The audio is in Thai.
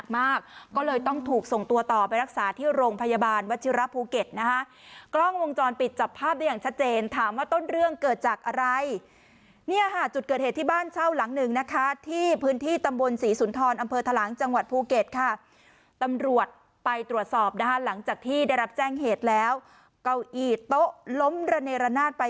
มากก็เลยต้องถูกส่งตัวต่อไปรักษาที่โรงพยาบาลวัชิระภูเก็ตนะคะกล้องวงจรปิดจับภาพได้อย่างชัดเจนถามว่าต้นเรื่องเกิดจากอะไรเนี่ยค่ะจุดเกิดเหตุที่บ้านเช่าหลังหนึ่งนะคะที่พื้นที่ตำบลศรีสุนทรอำเภอทะลังจังหวัดภูเก็ตค่ะตำรวจไปตรวจสอบนะคะหลังจากที่ได้รับแจ้งเหตุแล้วเก้าอี้โต๊ะล้มระเนรนาศไป